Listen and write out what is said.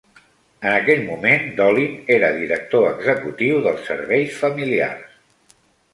En aquell moment, Dolin era director executiu dels serveis familiars.